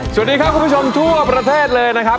สวัสดีครับคุณผู้ชมทั่วประเทศเลยนะครับ